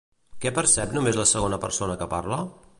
Què percep només la segona persona que parla?